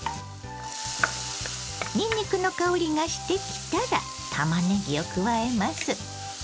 にんにくの香りがしてきたらたまねぎを加えます。